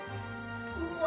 うわ！